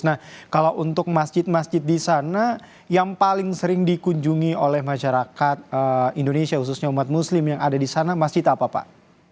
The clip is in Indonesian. nah kalau untuk masjid masjid di sana yang paling sering dikunjungi oleh masyarakat indonesia khususnya umat muslim yang ada di sana masjid apa pak